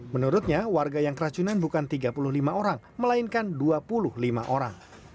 menurutnya warga yang keracunan bukan tiga puluh lima orang melainkan dua puluh lima orang